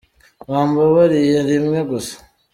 Wambabariye rimwe gusa.